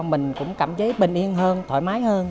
mình cũng cảm thấy bình yên hơn thoải mái hơn